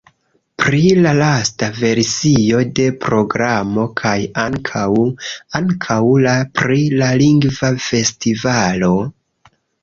Pri la lasta versio de programo kaj ankaŭ... ankaŭ la... pri la lingva festivalo?